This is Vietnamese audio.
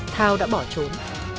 thao đã bỏ trốn